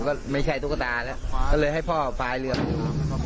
ก็ไม่ใช่ตุ๊กตาแล้วก็เลยให้พ่อพายเรือดู